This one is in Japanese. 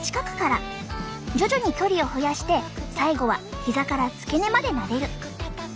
徐々に距離を増やして最後はひざから付け根までなでる。